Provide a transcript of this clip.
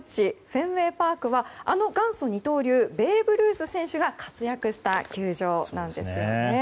フェンウェイパークは元祖二刀流のベーブ・ルース選手が活躍した球場なんですね。